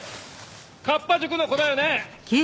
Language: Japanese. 河童塾の子だよね？